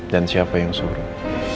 dan siapa yang suruh